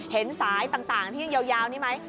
เห็นสายต่างที่ยาวนี่ไหม